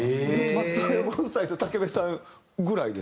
松任谷ご夫妻と武部さんぐらいですか？